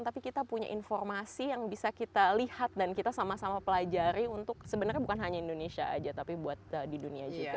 tapi kita punya informasi yang bisa kita lihat dan kita sama sama pelajari untuk sebenarnya bukan hanya indonesia aja tapi buat di dunia juga